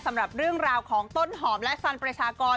สำหรับเรื่องราวของต้นหอมและสันประชากร